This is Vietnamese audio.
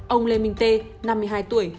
ông lê minh tê năm mươi hai tuổi